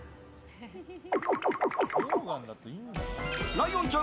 ライオンちゃん